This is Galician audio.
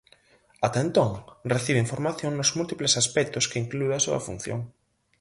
Ata entón reciben formación nos múltiples aspectos que inclúe a súa función.